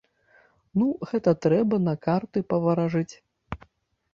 Ну, гэта трэба на карты паваражыць.